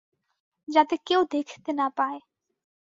যাতে কেউ দেখতে না পায়।